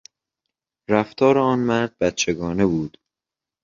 رفتار آن مرد بچگانه بود.